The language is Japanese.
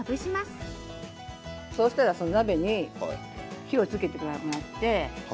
そうしたらその鍋に火をつけてもらって。